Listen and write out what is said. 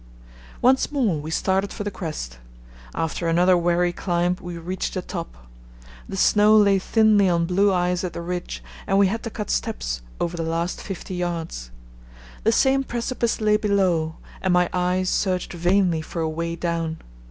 Once more we started for the crest. After another weary climb we reached the top. The snow lay thinly on blue ice at the ridge, and we had to cut steps over the last fifty yards. The same precipice lay below, and my eyes searched vainly for a way down.